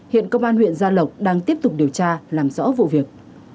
hiện công an huyện gia lộc đang tiếp tục điều tra làm rõ vụ việc